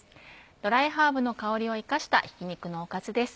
ドライハーブの香りを生かしたひき肉のおかずです。